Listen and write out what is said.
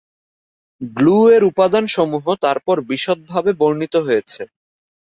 গ্নু-এর উপাদানসমূহ তারপর বিশদভাবে বর্ণিত হয়েছে।